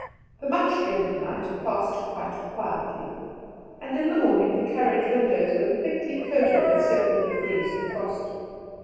The much dreaded night passed quite quietly, and in the morning the carriage windows were thickly coated with several degrees of frost.